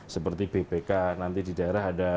seperti bpk nanti di daerah ada